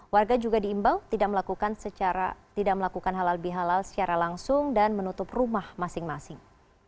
warga juga diimbau tidak melakukan halal bihalal secara langsung dan menutup rumah masing masing